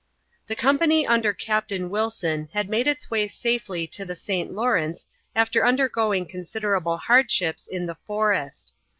The company under Captain Wilson had made its way safely to the St. Lawrence after undergoing considerable hardships in the forest.